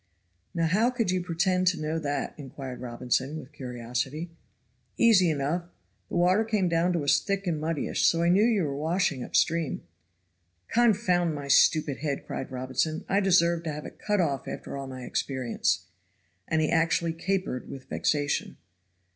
"Now how could you pretend to know that?" inquired Robinson, with curiosity. "Easy enough. The water came down to us thick and muddyish, so I knew you were washing up stream." "Confound my stupid head," cried Robinson, "I deserve to have it cut off after all my experience." And he actually capered with vexation.